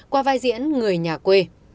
qua vai diễn người nhà quê